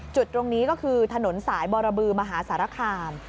จุดตรงนี้ก็คือถนนสายบรบือมหาสารคาม